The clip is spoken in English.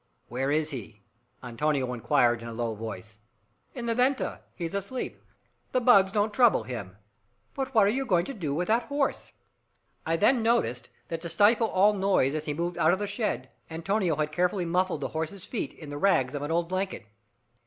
"Where is he?" Antonio inquired in a low tone. "In the venta. He's asleep. The bugs don't trouble him. But what are you going to do with that horse?" I then noticed that, to stifle all noise as he moved out of the shed, Antonio had carefully muffled the horse's feet in the rags of an old blanket.